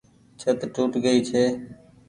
ڇت ٽوٽ گئي ڇي۔